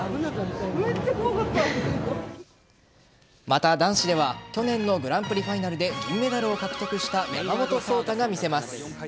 また、男子では去年のグランプリファイナルで銀メダルを獲得した山本草太が見せます。